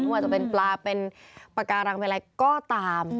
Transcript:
ไม่ว่าจะเป็นปลาเป็นปาการังอะไรก็ตาม